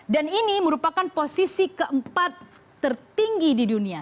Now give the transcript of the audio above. dan ini merupakan posisi keempat tertinggi di dunia